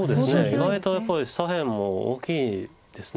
意外とやっぱり左辺も大きいです。